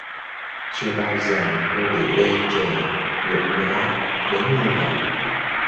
Chưa bao giờ cô bị ê trề nhục nhã đến như vậy